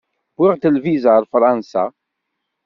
Wwiɣ-d lviza ar Fransa.